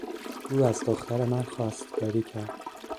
او از دختر من خواستگاری کرد.